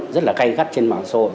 hay gắt trên mạng xã hội